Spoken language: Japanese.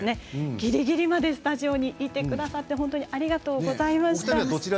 ギリギリまで、スタジオにいてくださって本当にありがとうございました。